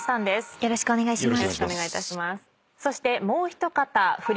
よろしくお願いします。